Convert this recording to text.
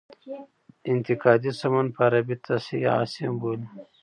انتقادي سمون په عربي تصحیح حاسم بولي.